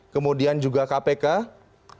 kemudian juga kementerian pertahanan republik indonesia